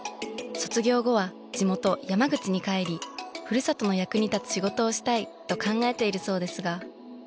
卒業後は地元山口に帰りふるさとの役に立つ仕事をしたいと考えているそうですが。